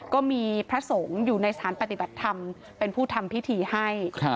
ก็มีพระสงฆ์อยู่ในสถานปฏิบัติธรรมเป็นผู้ทำพิธีให้